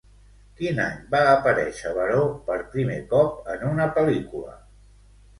Quin any va aparèixer Baró per primer cop en una pel·lícula?